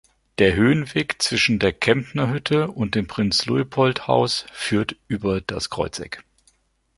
Der Höhenweg zwischen der Kemptner Hütte und dem Prinz-Luitpold-Haus führt über das Kreuzeck.